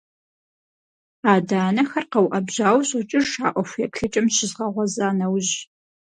Адэ-анэхэр къэуӀэбжьауэ щӀокӀыж а Ӏуэху еплъыкӀэм щызгъэгъуэза нэужь.